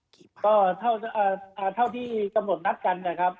ก็เท่าที่กำหนดนัดกันนะครับ